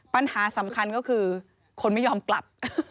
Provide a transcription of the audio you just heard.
ปัญหาสำคัญก็คือคนไม่ยอมกลับ